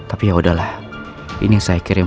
aku sudah sepeda